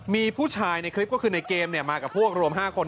มีผู้ชายในคลิปก็คือในเกมมากับพวกรวม๕คน